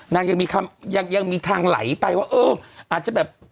นางยังมีคำยังมีทางไหลไปว่าอือออาจจะแบบ